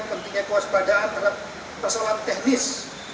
pentingnya kewaspadaan terhadap persoalan teknis